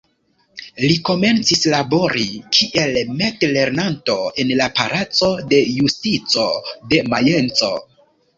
Li komencis labori kiel metilernanto en la palaco de Justico de Majenco.